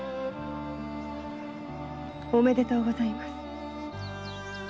おめでとうございます。